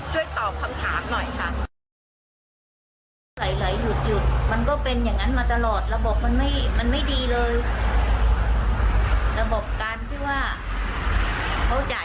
ช่วยตอบคำถามหน่อยค่ะ